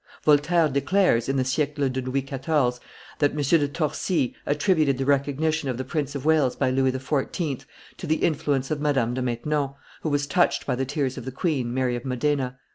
Voltaire declares, in the "Siecle de Louis XIV.,_ that M. de Torcy attributed the recognition of the Prince of Wales by Louis XIV. to the influence of Madame de Maintenon, who was touched by the tears of the queen, Mary of Modena.